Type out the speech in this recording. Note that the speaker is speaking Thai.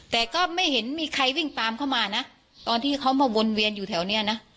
แต่ก็ไม่เห็นมีใครวิ่งตามเข้ามานะตอนที่เขามาวนเวียนอยู่แถวเนี้ยนะ